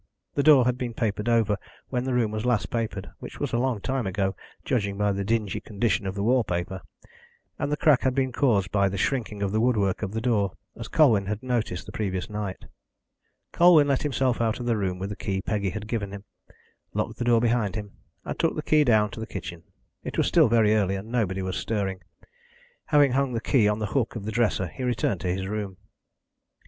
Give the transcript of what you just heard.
The door had been papered over when the room was last papered, which was a long time ago, judging by the dingy condition of the wall paper, and the crack had been caused by the shrinking of the woodwork of the door, as Colwyn had noticed the previous night. Colwyn let himself out of the room with the key Peggy had given him, locked the door behind him, and took the key down to the kitchen. It was still very early, and nobody was stirring. Having hung the key on the hook of the dresser, he returned to his room.